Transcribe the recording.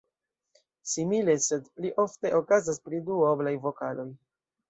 Simile, sed pli ofte, okazas pri duoblaj vokaloj.